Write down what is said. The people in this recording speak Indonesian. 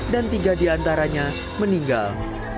dan tiga di antaranya meninggal